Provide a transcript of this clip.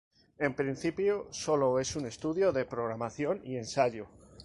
En principio sólo es un estudio de programación y ensayo.